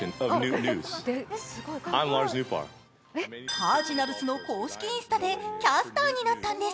カージナルスの公式インスタでキャスターになったんです。